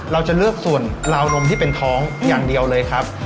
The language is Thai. เราจะเลือกส่วนลาวนมที่เป็นท้องอย่างเดียวเลยครับ